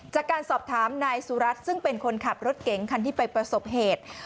จากการสอบถามนายสุรัตน์ซึ่งเป็นคนขับรถเก๋งคันที่ไปประสบเหตุ